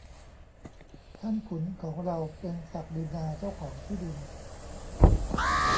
ท่านขุนของเราเป็นศักดินาเจ้าของที่ดิน